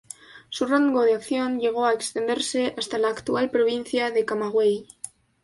Su rango de acción llegó a extenderse hasta la actual provincia de Camagüey.